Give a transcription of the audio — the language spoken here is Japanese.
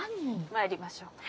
まいりましょうか。